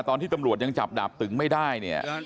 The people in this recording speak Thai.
ตอนที่ตำรวจยังจับดาบตึงไม่ได้เนี่ย